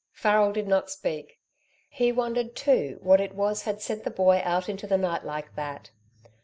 Farrel did not speak; he wondered too what it was had sent the boy out into the night like that.